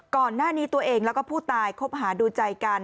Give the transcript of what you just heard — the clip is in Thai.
ก่อนหน้านี้ตัวเองแล้วก็ผู้ตายคบหาดูใจกัน